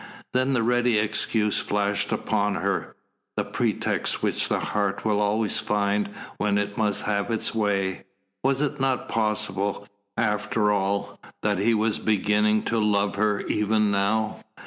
Then the ready excuse flashed upon her the pretext which the heart will always find when it must have its way. Was it not possible, after all, that he was beginning to love her even now?